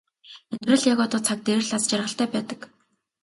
Амьдрал яг одоо цаг дээр л аз жаргалтай байдаг.